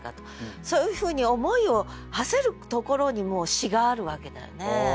そういうふうに思いをはせるところにもう詩があるわけだよね。